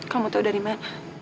kamu tau dari mana